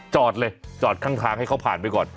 จอดเลยจอดข้างทางให้เขาผ่านไปก่อน